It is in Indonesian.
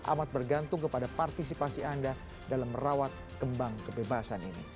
amat bergantung kepada partisipasi anda dalam merawat kembang kebebasan ini